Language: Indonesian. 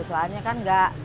soalnya kan enggak